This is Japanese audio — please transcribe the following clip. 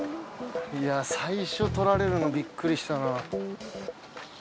いや最初取られるのビックリしたな。